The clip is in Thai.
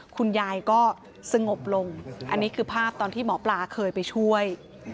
คุณยายก็สงบลงอันนี้คือภาพตอนที่หมอปลาเคยไปช่วย